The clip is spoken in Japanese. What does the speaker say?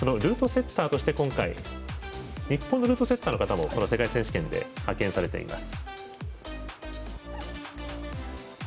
セッターとして今回日本のルートセッターの方もこの世界選手権で派遣されています。